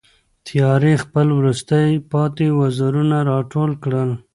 تیارې خپل وروستي پاتې وزرونه را ټول کړل.